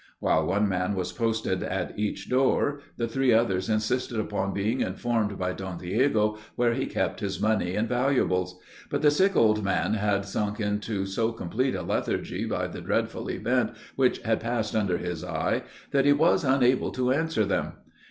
While one man was posted at each door, the three others insisted upon being informed by Don Diego where he kept his money and valuables; but the sick old man had sank into so complete a lethargy by the dreadful event which had passed under his eye, that he was unable to answer them.